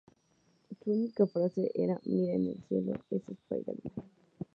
Su única frase era "¡Mira en el cielo, es Spider-Man!".